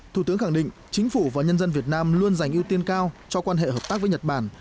thủ tướng khẳng định chính phủ và nhân dân việt nam luôn dành ưu tiên cao cho quan hệ hợp tác với nhật bản